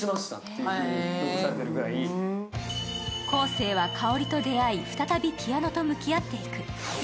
公生はかをりと出会い、再びピアノと向き合っていく。